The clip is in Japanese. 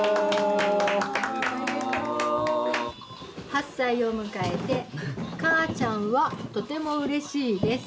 「８歳を迎えて母ちゃんはとてもうれしいです。